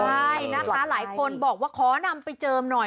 ใช่นะคะหลายคนบอกว่าขอนำไปเจิมหน่อย